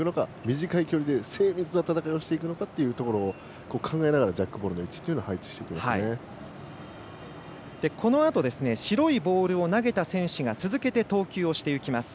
短い距離で精密な戦いをしていくのかを考えながらジャックボールのこのあと白いボールを投げた選手が続けて投球をしていきます。